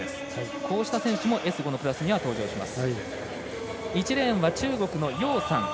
こうした選手もＳ５のクラスには登場します。